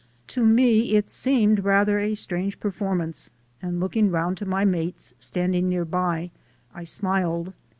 To me it seemed rather a strange performance, and looking round to my mates, stand ing near by, I smiled.